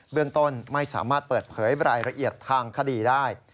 เรื่องต้นไม่สามารถเปิดเผยรายละเอียดทางคดีได้